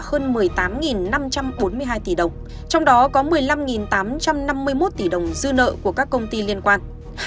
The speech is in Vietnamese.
hơn một mươi tám năm trăm bốn mươi hai tỷ đồng trong đó có một mươi năm tám trăm năm mươi một tỷ đồng dư nợ của các công ty liên quan